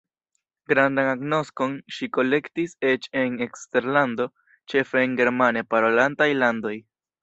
Grandan agnoskon ŝi kolektis eĉ en eksterlando, ĉefe en germane parolantaj landoj.